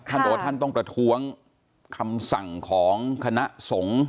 ท่านบอกว่าท่านต้องประท้วงคำสั่งของคณะสงฆ์